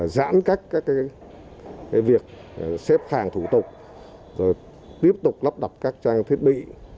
giãn cách các việc xếp hàng thủ tục tiếp tục lắp đặt các trang thiết bị